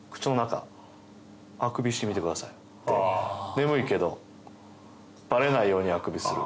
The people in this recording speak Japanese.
眠いけどバレないようにあくびする。